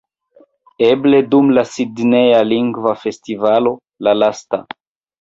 Eble dum la Sidneja Lingva Festivalo, la lasta